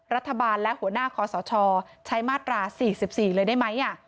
รัฐบาลและหัวหน้าคอสชใช้มาตรา๔๔เลยได้ไหม